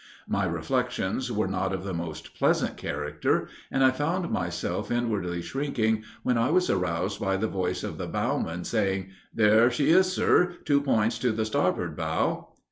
My reflections were not of the most pleasant character, and I found myself inwardly shrinking, when I was aroused by the voice of the bowman saying, "There she is, sir, two points on the starboard bow."